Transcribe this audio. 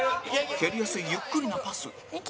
蹴りやすい、ゆっくりなパス綾瀬：いけ！